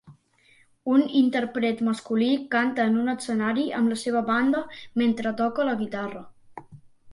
Un intèrpret masculí canta en un escenari amb la seva banda mentre toca la guitarra.